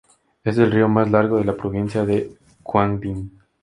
Es el río más largo de la provincia de Quang Binh.